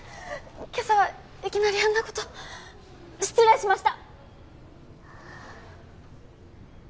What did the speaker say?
今朝はいきなりあんなこと失礼しました！